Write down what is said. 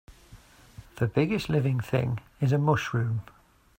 The biggest living thing is a mushroom.